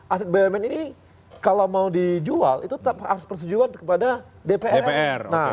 aset bumn ini kalau mau dijual itu harus persetujuan kepada dpr